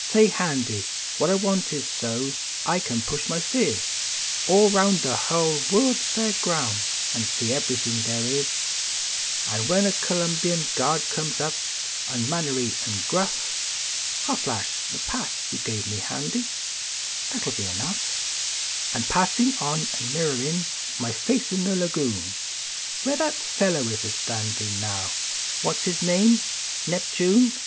Say. Handy, what I want is so s I can push my phi/. All round the hull World s l ; air grounds an see everything they is, An when a C lumbian guard comes up unmannerly an gruff, I ll flash the pass you give me, Handy, that ll be enough, An passin on an mirrorin my face in the lagoon Where that fellow is a standin now what s his name ? Neptune.